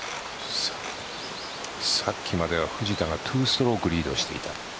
さっきまで藤田が２ストローク、リードしていた。